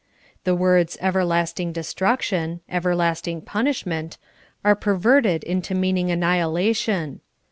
The words "everlasting destruction," "everlasting punishment," are perverted into meaning annihilation.